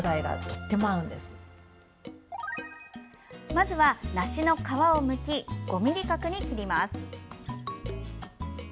まずは、梨の皮をむき５ｍｍ角に切ります。